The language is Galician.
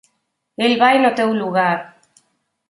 El vai no teu lugar.